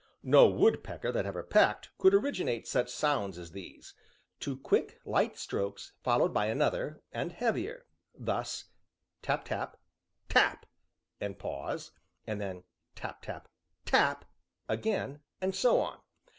No woodpecker that ever pecked could originate such sounds as these two quick, light strokes, followed by another, and heavier, thus: Tap, tap TAP; a pause, and then, tap, tap TAP again, and so on.